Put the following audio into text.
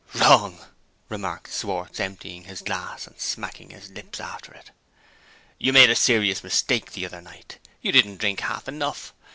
"Wrong!" remarked Schwartz, emptying his glass, and smacking his lips after it. "You made a serious mistake the other night you didn't drink half enough.